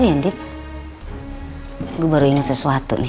oh ya di gua baru ingat sesuatu nih